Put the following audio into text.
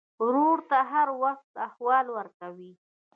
ورور ته هر وخت احوال ورکوې.